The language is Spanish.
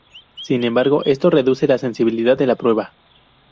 Sin embargo, esto reduce la sensibilidad de la prueba.